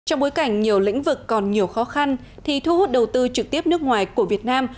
trong bối cảnh nhiều lĩnh vực còn nhiều khó khăn thì thu hút đầu tư trực tiếp nước ngoài của việt nam